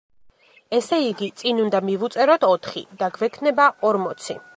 ესე იგი წინ უნდა მივუწეროთ ოთხი და გვექნება ორმოცი.